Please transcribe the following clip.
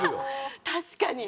確かに。